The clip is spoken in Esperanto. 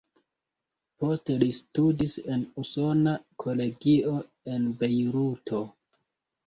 Poste li studis en Usona Kolegio en Bejruto.